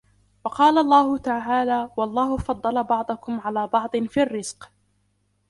وَقَالَ اللَّهُ تَعَالَى وَاَللَّهُ فَضَّلَ بَعْضَكُمْ عَلَى بَعْضٍ فِي الرِّزْقِ